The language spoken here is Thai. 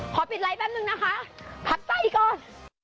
ขอปิดไลฟ์แป๊บนึงนะคะผัดใจก่อน